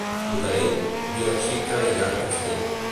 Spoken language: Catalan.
Botarell, vila xica i gran castell.